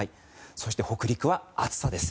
そして北陸は暑さです。